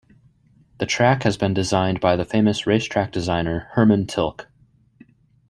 The track has been designed by the famous race track designer Hermann Tilke.